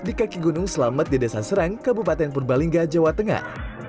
di kaki gunung selamet di desa serang kabupaten purbalingga jawa tengah